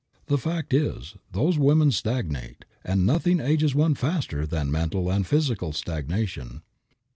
The fact is those women stagnate, and nothing ages one faster than mental and physical stagnation.